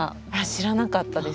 知らなかったです。